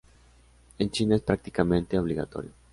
En China es prácticamente obligatorio.